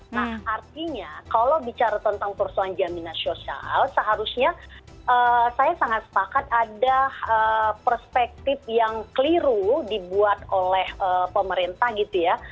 nah artinya kalau bicara tentang persoalan jaminan sosial seharusnya saya sangat sepakat ada perspektif yang keliru dibuat oleh pemerintah gitu ya